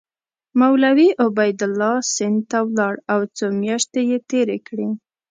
مولوي عبیدالله سند ته ولاړ او څو میاشتې یې تېرې کړې.